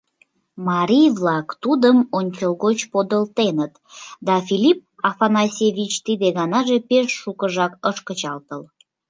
Марий-влак тудым ончылгоч подылтеныт да Филипп Афанасьевич тиде ганаже пеш шукыжак ыш кычалтыл.